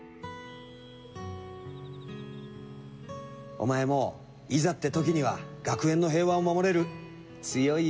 お前もいざって時には学園の平和を守れる強い男になるんだぞ。